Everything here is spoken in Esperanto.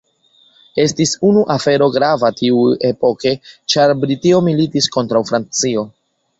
Estis unu afero grava tiuepoke ĉar Britio militis kontraŭ Francio.